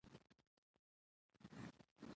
ـ پلار په کور نشته، مور نه ډار نشته.